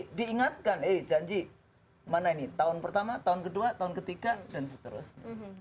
ini diingatkan eh janji mana ini tahun pertama tahun kedua tahun ketiga dan seterusnya